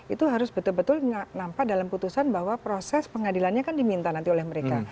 itu harus betul betul nampak dalam putusan bahwa proses pengadilannya kan diminta nanti oleh mereka